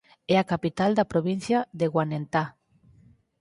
É a capital da provincia de Guanentá.